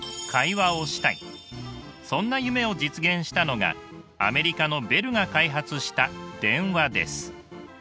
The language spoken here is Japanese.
そんな夢を実現したのがアメリカのベルが開発した電話です。